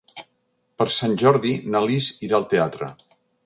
Per Sant Jordi na Lis irà al teatre.